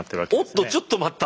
おっとちょっと待った！